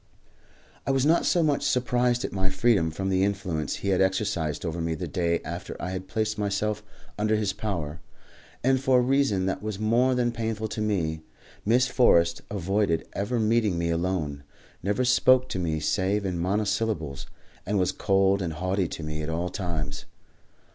I was not so much surprised at my freedom from the influence he had exercised over me the day after I had placed myself under his power, and for a reason that was more than painful to me. Miss Forrest avoided ever meeting me alone, never spoke to me save in monosyllables, and was cold and haughty to me at all times.